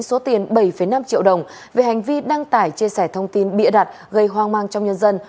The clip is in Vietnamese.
số tiền bảy năm triệu đồng về hành vi đăng tải chia sẻ thông tin bịa đặt gây hoang mang trong nhân dân